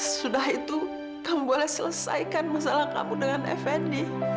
sesudah itu kamu boleh selesaikan masalah kamu dengan fnd